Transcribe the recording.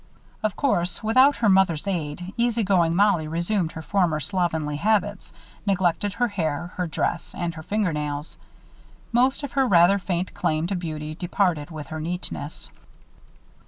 Of course, without her mother's aid, easy going Mollie resumed her former slovenly habits, neglected her hair, her dress, and her finger nails. Most of her rather faint claim to beauty departed with her neatness.